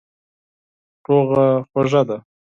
سوله خوږه ده.